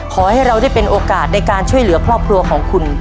ขอให้เราได้เป็นโอกาสในการช่วยเหลือครอบครัวของคุณ